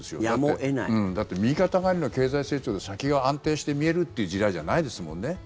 だって右肩上がりの経済成長で先が安定して見えるという時代じゃないですもんね。